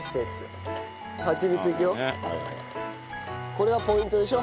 これがポイントでしょ？